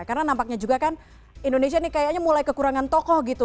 karena nampaknya juga kan indonesia ini kayaknya mulai kekurangan tokoh gitu